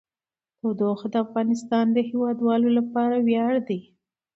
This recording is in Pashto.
تودوخه د افغانستان د هیوادوالو لپاره ویاړ دی.